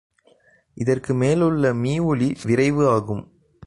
இதற்கு மேலுள்ள மீஒலி விரைவு ஆகும்.